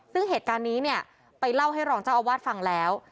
ซึ่งเหตุการณ์นี้เนี่ยไปเล่าให้รองเจ้าอาวาสฟังแล้ว